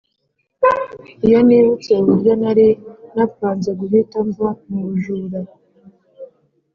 iyo nibutse uburyo nari napanze guhita mva mubujura